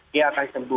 dia akan sembuh